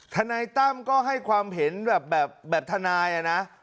ทนายตั้มก็ให้ความเห็นแบบทนายอะนะ